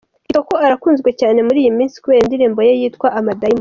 Kitoko arakunzwe cyane muri iyi minsi kubera indirimbo ye yitwa "Amadayimoni".